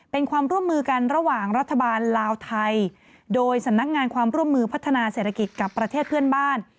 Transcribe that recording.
เป็นความร่วมมือกันระหว่างรัฐบาลลาวไทยโดยสำนักงานความร่วมมือพัฒนาเศรษฐกิจกับประเทศเพื่อนบ้าน